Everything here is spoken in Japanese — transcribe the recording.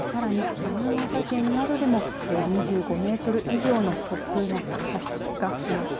山形県などでも２５メートル以上の突風が吹きました。